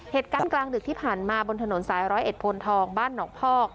เหตุการณ์กลางดึกที่ผ่านมาบนถนนสายร้อยเอ็ดโพนทองบ้านหนองพอก